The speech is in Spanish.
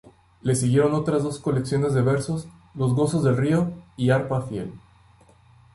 Le siguieron otras dos colecciones de versos: "Los gozos del río" y "Arpa fiel".